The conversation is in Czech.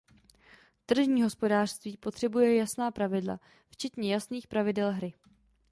Tržní hospodářství potřebuje jasná pravidla, včetně jasných pravidel hry.